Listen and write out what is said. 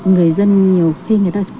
người dân nhiều khi người ta